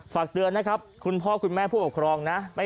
ฝากเดือนนะครับหุ่นพ่อคุณพ่อพ่อพ่อคุณผู้บัวกครองนะ